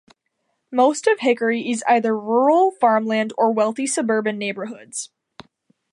Most of Hickory is either rural farmland or wealthy suburban neighborhoods.